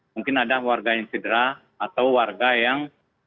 mungkin ada warga yang cedera atau warga yang